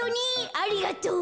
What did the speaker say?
ありがとう。